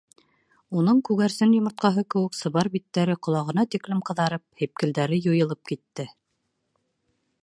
Уның күгәрсен йомортҡаһы кеүек сыбар биттәре ҡолағына тиклем ҡыҙарып, һипкелдәре юйылып китте.